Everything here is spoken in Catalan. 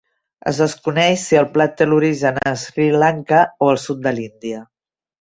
Es desconeix si el plat té l'origen a Sri Lanka o al sud de l'Índia.